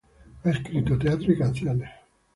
Ha escrito teatro y canciones.